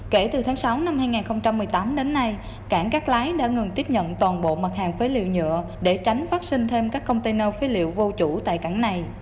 kể từ tháng sáu năm hai nghìn một mươi tám đến nay cảng cát lái đã ngừng tiếp nhận toàn bộ mặt hàng phế liệu nhựa để tránh phát sinh thêm các container phế liệu vô chủ tại cảng này